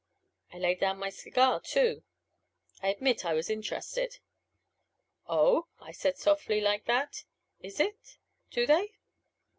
I laid down my cigar, too. I admit I was interested. "Oh!" I said softly like that. "Is it? Do they?"